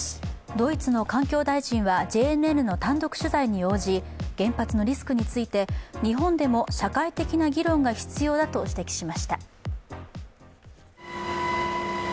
ドイツの環境大臣はＪＮＮの単独取材に応じ、原発のリスクについて日本でも社会的な議論が必要だと指摘しました。